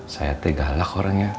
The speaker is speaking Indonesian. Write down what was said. saya teh galak orangnya